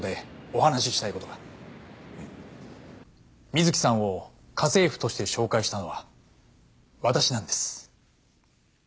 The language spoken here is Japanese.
美月さんを家政婦として紹介したのは私なんです。